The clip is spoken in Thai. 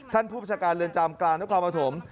ท่านผู้ประชาการเรือนจำกราณกรามาถม